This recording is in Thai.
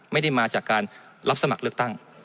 ใบเตอร์สมัครเลือกตั้ง